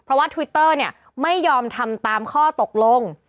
เพราะว่าทวิตเตอร์เนี่ยไม่ยอมทำตามข้อตกลง